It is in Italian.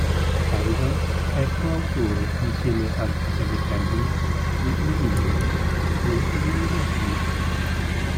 Harrison è coautore, insieme al fratello Calvin, di un libro, "Go to Your Destiny".